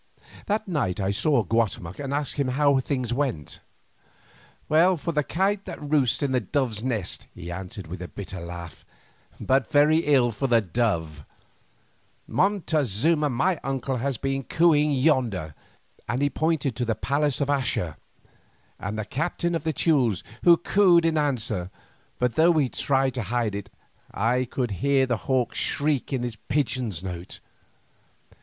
That night I saw Guatemoc and asked him how things went. "Well for the kite that roosts in the dove's nest," he answered with a bitter laugh, "but very ill for the dove. Montezuma, my uncle, has been cooing yonder," and he pointed to the palace of Axa, "and the captain of the Teules has cooed in answer, but though he tried to hide it, I could hear the hawk's shriek in his pigeon's note.